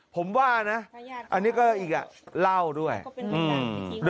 ผมว่านะอ่ะอันนี้ก็หล่าล้าด้วยอื้ม